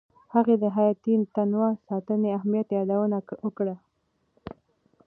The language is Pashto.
هغې د حیاتي تنوع ساتنې اهمیت یادونه وکړه.